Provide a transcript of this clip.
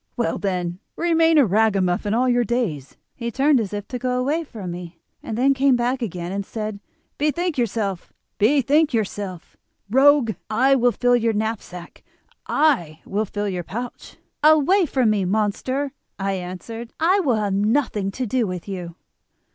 Well, then, remain a ragamuffin all your days.' "He turned as if to go away from me, then came back again and said: 'Bethink yourself, bethink yourself, rogue. I will fill your knapsack—I will fill your pouch.' "'Away from me, monster,' I answered, 'I will have nothing to do with you.